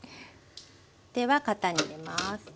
では型に入れます。